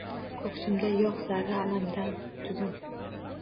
Ko’ksimda yo’q zarra alamdan tugun.